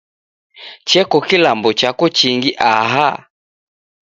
Cheko kilambo chako chingi aha?